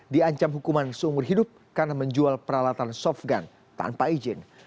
diancam hukuman seumur hidup karena menjual peralatan softgun tanpa izin